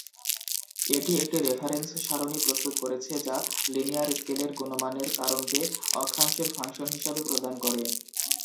এটি একটি রেফারেন্স সারণি প্রস্তুত করেছে যা লিনিয়ার স্কেলের গুণমানের কারণকে অক্ষাংশের ফাংশন হিসাবে প্রদান করে।